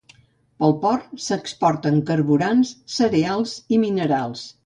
Pel port, s'exporten carburants, cereals i minerals.